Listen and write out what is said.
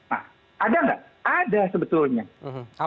nah ada nggak ada sebetulnya